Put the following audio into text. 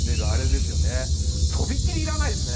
とびきり要らないですね。